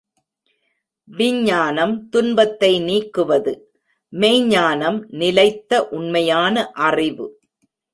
விஞ்ஞானம் துன்பத்தை நீக்குவது, மெய்ஞ் ஞானம் நிலைத்த உண்மையான அறிவு.